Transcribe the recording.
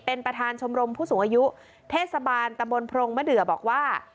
เป็นประธานชมรมผู้สูงอายุเทศบาลตำบลพรงมะเดือบอกว่า